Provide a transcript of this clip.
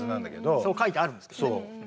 そう書いてあるんですけどね。